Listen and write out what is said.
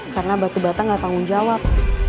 karena batu bata gak tanggung jawab